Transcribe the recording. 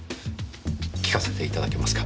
聞かせていただけますか？